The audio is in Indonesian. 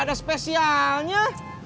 gak ada spesialnya